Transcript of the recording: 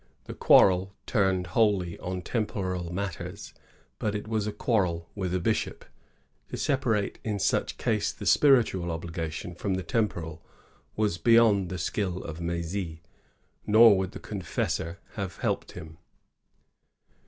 The quarrel turned wholly on temporal matters, but it was a quarrel with a bishop. To separate in such a case the spiritual obligation from the temporal was beyond the skill of Mdzy, nor would the confessor have helped him.